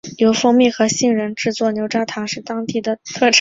由蜂蜜和杏仁制作的牛轧糖是当地的特产。